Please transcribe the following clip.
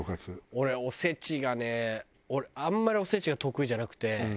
俺お節がね俺あんまりお節が得意じゃなくて。